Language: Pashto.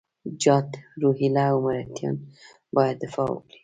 جاټ، روهیله او مرهټیان باید دفاع وکړي.